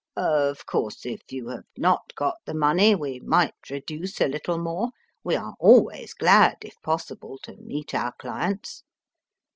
Of course, if you have not got the money, we might reduce a little more. We are always glad, if possible, to meet our clients.